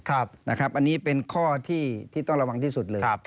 อันนี้เป็นข้อที่ต้องระวังที่สุดเลย